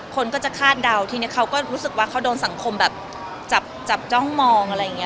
คนก็จะคาดเดาทีนี้เขาก็รู้สึกว่าเขาโดนสังคมแบบจับจ้องมองอะไรอย่างนี้